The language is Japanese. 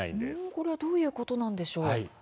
これはどういうことなんでしょう。